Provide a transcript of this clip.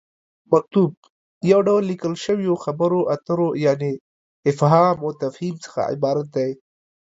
مکتوب: یو ډول ليکل شويو خبرو اترو یعنې فهام وتفهيم څخه عبارت دی